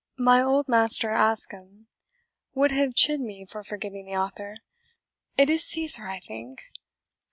My old Master Ascham would have chid me for forgetting the author. It is Caesar, as I think.